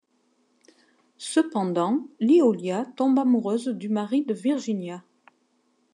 Cependant, Liolia tombe amoureuse du mari de Virginia.